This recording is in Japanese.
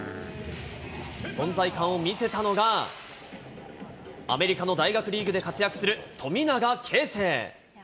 存在感を見せたのが、アメリカの大学リーグで活躍する富永啓生。